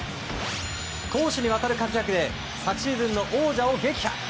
攻守にわたる活躍で昨シーズンの王者を撃破。